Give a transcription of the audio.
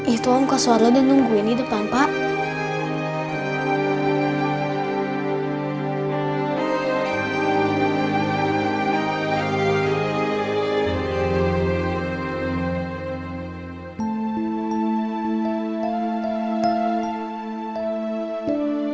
itu om kos warlo dan nungguin di depan pak